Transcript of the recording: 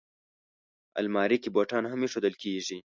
الماري کې بوټان هم ایښودل کېږي